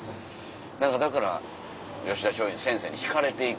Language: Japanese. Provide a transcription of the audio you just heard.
何かだから吉田松陰先生に引かれていく。